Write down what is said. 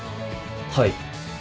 はい。